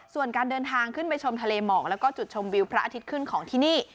ส่วนการเดินทางขึ้นไปชมทะเลหมอกแล้วก็จุดชมวิวพระอาทิตย์ขึ้นของที่นี่